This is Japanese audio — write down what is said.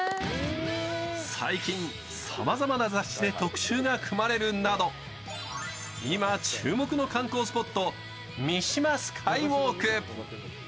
最近、さまざまな雑誌で特集が組まれるなど今、注目の観光スポット三島スカイウォーク。